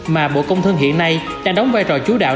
mà bộ công thương hiện nay đang đóng vai trò chú đạo